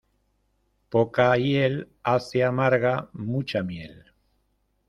Poca hiel hace amarga mucha miel.